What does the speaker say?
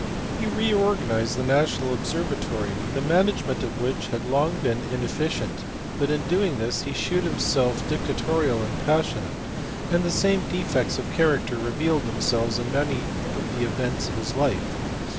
He reorganized the national observatory, the management of which had long been in efficient, but in doing this he shewed himself dictatorial and passionate, and the same defects of character revealed them selves in many of the events of his life.